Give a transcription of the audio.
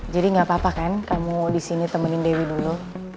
jadi gak apa apa kan kamu disini temenin dewi dulu